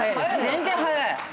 全然早い。